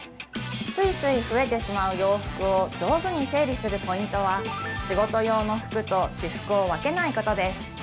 ついつい増えてしまう洋服を上手に整理するポイントは仕事用の服と私服を分けないことです